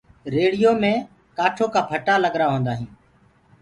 ريڙهيو مي ڪآٺو ڪآ ڦٽآ ڪگرآ هوندآ هينٚ۔